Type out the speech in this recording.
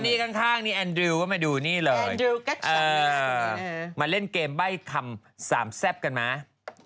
นี่ข้างนี่แอนดริวก็มาดูนี่เลยมาเล่นเกมใบ้คำสามแซ่บกันไหม